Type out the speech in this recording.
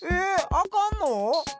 あかんの！？